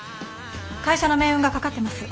会社の命運がかかってます。